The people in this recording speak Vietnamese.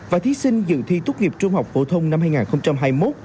và thí sinh dự thi tốt nghiệp trung học phổ thông năm hai nghìn hai mươi một